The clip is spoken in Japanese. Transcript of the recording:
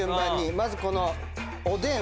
まずこのおでん。